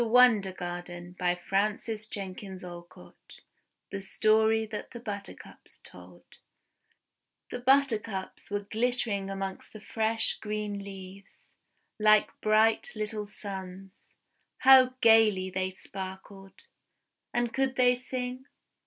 BEALS (adapted) 130 THE WONDER GARDEN THE STORY THAT THE BUTTER CUPS TOLD THE Buttercups were glittering amongst the fresh green leaves, like bright little suns. How gaily they sparkled! And could they sing?